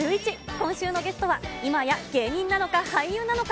今週のゲストは、いまや芸人なのか、俳優なのか。